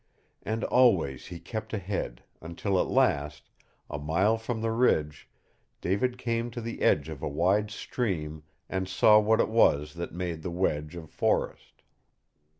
And always he kept ahead, until at last a mile from the ridge David came to the edge of a wide stream and saw what it was that made the wedge of forest.